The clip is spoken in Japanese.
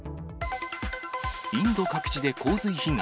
インド各地で洪水被害。